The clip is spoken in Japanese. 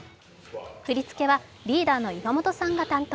振り付けはリーダーの岩本さんが担当。